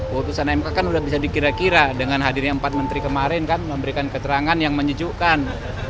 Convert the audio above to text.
putusan mk kan sudah bisa dikira kira dengan hadirnya empat menteri kemarin kan memberikan keterangan yang menyejukkan